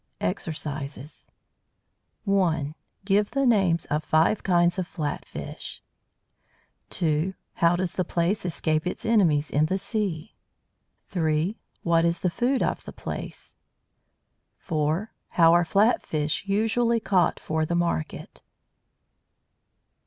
EXERCISES 1. Give the names of five kinds of flat fish. 2. How does the Plaice escape its enemies in the sea? 3. What is the food of the Plaice? 4. How are flat fish usually caught for the market?